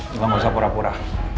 enggak usah pura pura